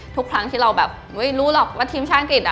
ทุกครั้งที่เราแบบไม่รู้หรอกว่าทีมชาติอังกฤษ